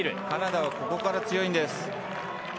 カナダはここから強いんです。